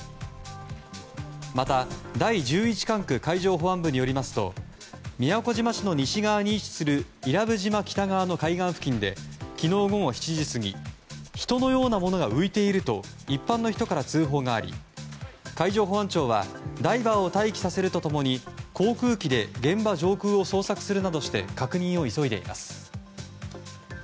また、第１１管区海上保安部によりますと宮古島市の西側に位置する伊良部島北側の海岸付近で昨日午後７時過ぎ人のようなものが浮いていると一般の人から通報があり海上保安庁はダイバーを待機させると共に航空機で現場上空を捜索するなどして確認を急いでいます。